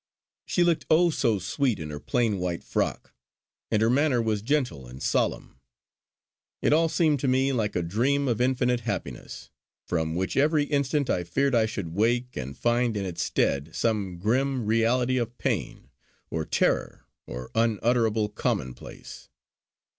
She looked oh! so sweet in her plain white frock; and her manner was gentle and solemn. It all seemed to me like a dream of infinite happiness; from which every instant I feared I should wake, and find in its stead some grim reality of pain, or terror, or unutterable commonplace.